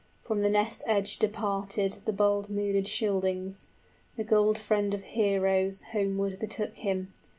From the ness edge departed The bold mooded Scyldings; the gold friend of heroes Homeward betook him.